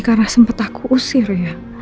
karena sempat aku usir ya